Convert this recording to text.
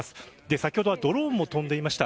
先ほどはドローンも飛んでいました。